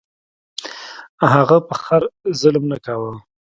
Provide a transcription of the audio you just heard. هغه په خر ظلم نه کاوه.